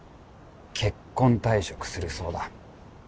結婚退職するそうだ